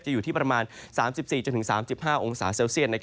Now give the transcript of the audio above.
อยู่ที่ประมาณ๓๔๓๕องศาเซลเซียต